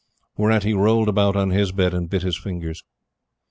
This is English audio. Whereat he rolled about on his bed and bit his fingers.